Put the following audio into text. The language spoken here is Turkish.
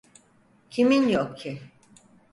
Kimin yok ki?